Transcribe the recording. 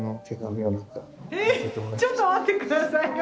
えちょっと待って下さいよ。